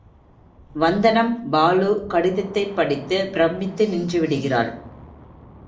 வந்தனம், பாலு கடிதத்தைப்படித்து பிரமித்து நின்றுவிடுகிறாள்.